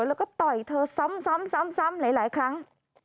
แล้วก็ต่อยเธอซ้ำหลายครั้ง